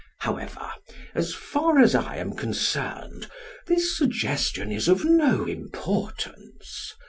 However, as far as I am concerned, this suggestion is of no importance.